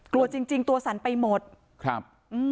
กลัวจริงตัวสั่นไปหมดครับ